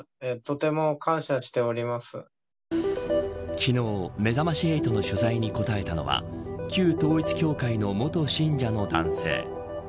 昨日、めざまし８の取材に答えたのは旧統一教会の元信者の男性。